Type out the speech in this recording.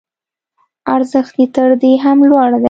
ارزښت یې تر دې هم لوړ دی.